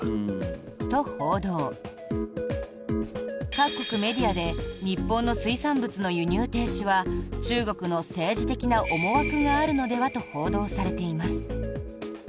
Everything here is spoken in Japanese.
各国メディアで日本の水産物の輸入停止は中国の政治的な思惑があるのではと報道されています。